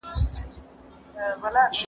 که فکر مو په ستونزه وي، ځان خوشحالول ګران وي.